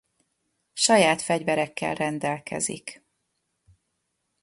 Saját fegyverekkel rendelkezik.